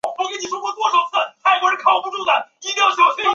郭荣宗。